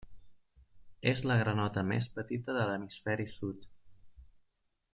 És la granota més petita de l'hemisferi sud.